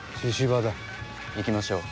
行きましょう。